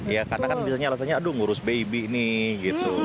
ya karena kan biasanya alasannya aduh ngurus baby nih gitu